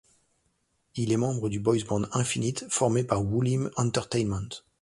Il est membre du boys band Infinite formé par Woollim Entertainment.